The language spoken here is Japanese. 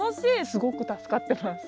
すごく助かってます。